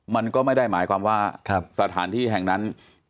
มันก็ไม่ได้หมายความว่าสถานที่แห่งนั้น